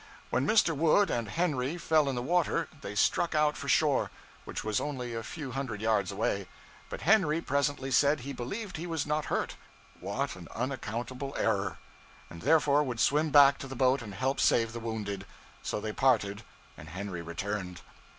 When Mr. Wood and Henry fell in the water, they struck out for shore, which was only a few hundred yards away; but Henry presently said he believed he was not hurt (what an unaccountable error!), and therefore would swim back to the boat and help save the wounded. So they parted, and Henry returned.